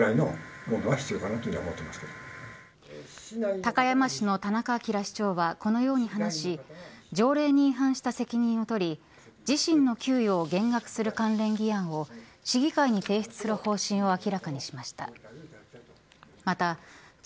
高山市の田中明市長はこのように話し条例に違反した責任を取り自身の給与を減額する関連議案を市議会に提出する方針を明らかにしました。